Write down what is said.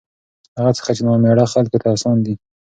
هغه څخه چې نامېړه خلکو ته اسان دي